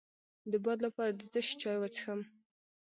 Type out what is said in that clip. د باد لپاره د څه شي چای وڅښم؟